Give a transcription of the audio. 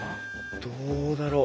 どうだろ？